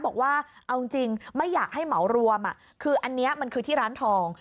บอกว่าเอาจริงไม่อยากให้เหมารวมคืออันนี้มันคือที่ร้านทอง